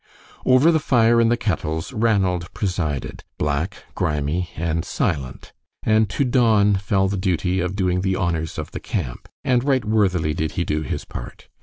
Over the fire and the kettles Ranald presided, black, grimy, and silent, and to Don fell the duty of doing the honors of the camp; and right worthily did he do his part.